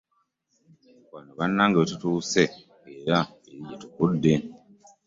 Wano bannange wetutuuse era eri jetuvudde .